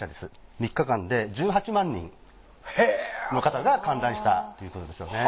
３日間で１８万人の方が観覧したということですよね。